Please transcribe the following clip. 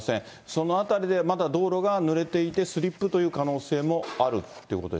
そのあたりでまだ道路がぬれていてスリップという可能性もあるっ